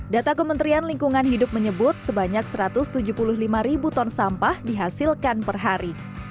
data kementerian lingkungan hidup menyebut sebanyak satu ratus tujuh puluh lima ribu ton sampah dihasilkan per hari